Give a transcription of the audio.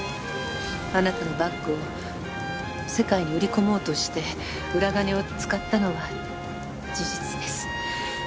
あなたのバッグを世界に売り込もうとして裏金を使ったのは事実です。